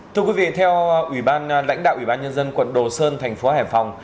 thưa quý vị theo lãnh đạo ủy ban nhân dân quận đồ sơn thành phố hải phòng